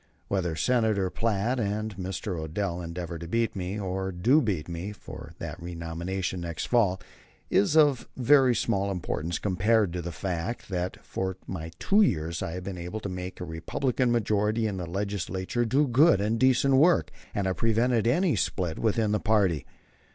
Whether Senator Platt and Mr. Odell endeavor to beat me, or do beat me, for the renomination next fall, is of very small importance compared to the fact that for my two years I have been able to make a Republican majority in the Legislature do good and decent work and have prevented any split within the party.